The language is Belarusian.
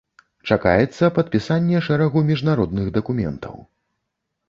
Чакаецца падпісанне шэрагу міжнародных дакументаў.